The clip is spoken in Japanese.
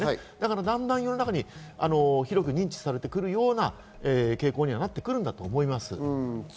だんだん世の中に広く認知されているような傾向にはなってくると思います。